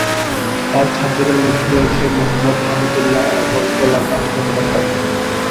তার ছাত্রদের মধ্যে রয়েছেঃ মুহাম্মদ হামিদুল্লাহ এবং গোলাম আহমদ রাব্বানী।